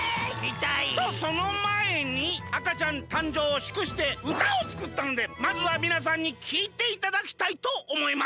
そのまえにあかちゃんたんじょうをしゅくしてうたをつくったのでまずはみなさんにきいていただきたいとおもいます。